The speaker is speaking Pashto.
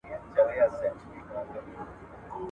له درواغو او چل ول څخه پاکه څېړنه د تل لپاره پاتې کیږي.